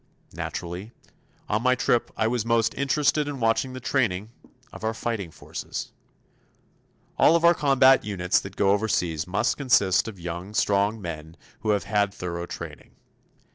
Naturally, on my trip I was most interested in watching the training of our fighting forces. All of our combat units that go overseas must consist of young, strong men who have had thorough training.